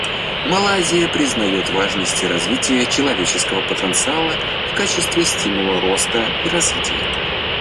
Малайзия признает важность развития человеческого потенциала в качестве стимула роста и развития.